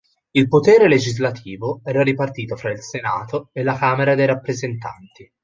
Il potere legislativo era ripartito fra il Senato e la Camera dei Rappresentanti.